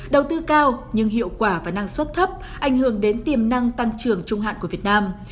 đầu tư cao nhưng hiệu quả và năng suất thấp ảnh hưởng đến tiềm năng tăng trưởng trung hạn của việt nam